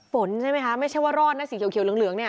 ฝนใช่ไหมคะไม่ใช่ว่ารอดนะสีเขียวเหลืองเนี่ย